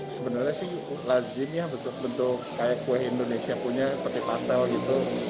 sebenarnya sih lazim ya bentuk bentuk kayak kue indonesia punya seperti pastel gitu